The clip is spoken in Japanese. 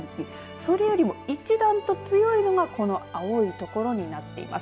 それよりも一段と強いのがこの青い所になっています。